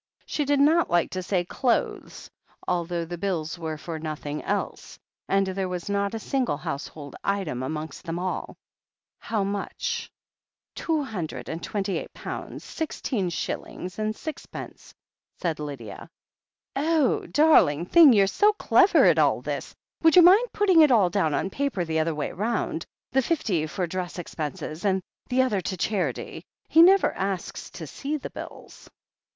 She did not like to say "clothes," although the bills were for nothing else, and there was not a single house hold item amongst them all. "How much?" THE HEEL OF ACHILLES 245 "Two hundred and twenty eight pounds, sixteen shillings and sixpence," said Lydia. "Oh! Darling thing, you're so clever at all this — would you mind putting it all down on paper the other way round — ^the fifty for dress expenses, and the other to charity? He never asks to see the bills."